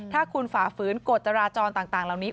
ถ้าคุณฝ่าฝืนกฎจราจรต่างเหล่านี้